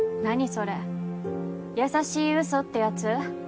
それ優しいうそってやつ？